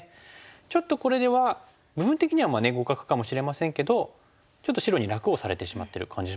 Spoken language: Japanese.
ちょっとこれでは部分的には互角かもしれませんけどちょっと白に楽をされてしまってる感じしますよね。